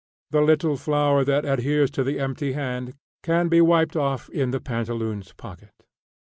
The little flour that adheres to the empty hand can be wiped off in the pantaloons pocket.